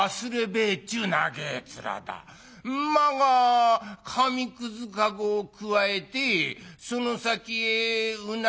馬が紙くずかごをくわえてその先へうなぎぶら下げて」。